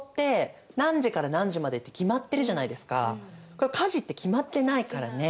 これ家事って決まってないからね。